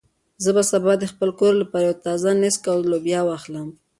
زه به سبا د خپل کور لپاره یو څه تازه نېسک او لوبیا واخلم.